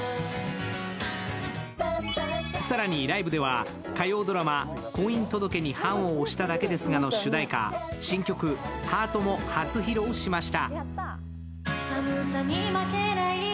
更にライブでは火曜ドラマ「婚姻届に判を捺しただけですが」の主題歌、新曲「ハート」も初披露しました。